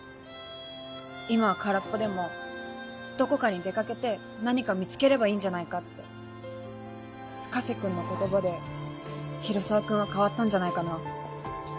今は空っぽでもどこかに出かけて何か見つければいいんじゃないかって深瀬君の言葉で広沢君は変わったんじゃないかな